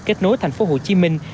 kết nối thành phố hồ chí minh